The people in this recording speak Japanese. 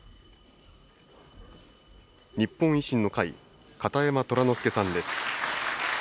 日本維新の会、片山虎之助さんです。